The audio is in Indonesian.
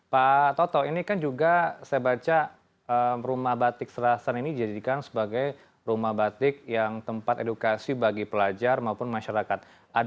pak toto ini kan juga saya baca rumah batik serasan ini dijadikan sebagai rumah batik yang tempat edukasi bagi pelajar maupun masyarakat